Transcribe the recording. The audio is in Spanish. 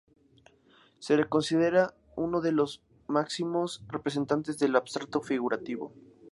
Se le considera uno de los máximos representantes del Abstracto Figurativo.